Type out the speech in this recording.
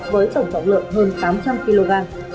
với tổng tổng lượng hơn tám trăm linh kg